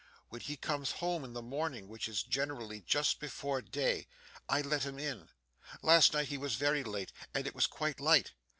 'When he comes home in the morning, which is generally just before day, I let him in. Last night he was very late, and it was quite light.